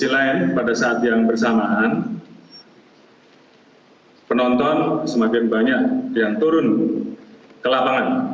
di sisi lain pada saat yang bersamaan penonton semakin banyak yang turun ke lapangan